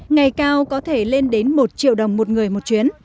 ngày cao có thể lên đến một triệu đồng một người một chuyến